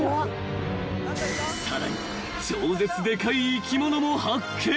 ［さらに超絶でかい生き物も発見］